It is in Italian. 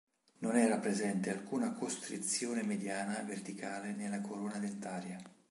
Non era presente alcuna costrizione mediana verticale nella corona dentaria.